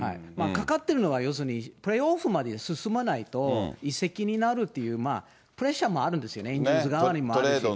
かかってるのが、要するにプレーオフまで進まないと移籍になるっていう、プレッシャーもあるんですよ、エンゼルス側にも。